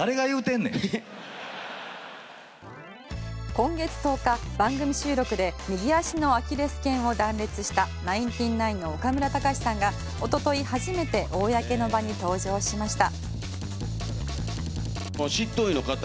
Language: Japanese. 今月１０日、番組収録で右足のアキレス腱を断裂したナインティナインの岡村隆史さんがおととい初めて公の場に登場しました。